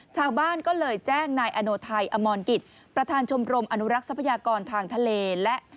ชาวบ้านก็เลยแจ้งนายอโนไทยอมอนกิตย์ประธานชมรมอนุรักษ์ทางทะเล